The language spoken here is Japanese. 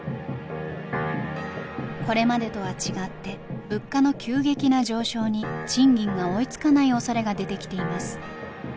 これまでとは違って物価の急激な上昇に賃金が追いつかないおそれが出てきています。